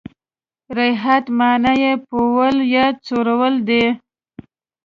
رعیت معنا یې پېول یا څرول دي.